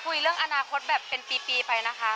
คุยเรื่องอนาคตแบบเป็นปีไปนะคะ